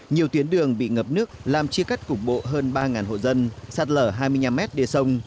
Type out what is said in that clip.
nhiều tuyến đường bị ngập nước làm chia cắt cục bộ hơn ba hộ dân sạt lở hai mươi năm mét đê sông